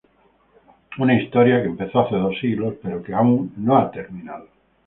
Una historia que empezó hace dos siglos, pero que aún no ha terminado",